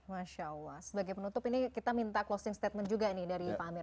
masya allah sebagai penutup ini kita minta closing statement juga nih dari pak amir